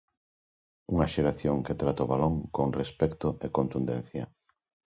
Unha xeración que trata o balón con respecto e contundencia.